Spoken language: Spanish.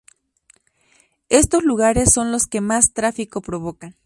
Estos lugares son los que más tráfico provocan.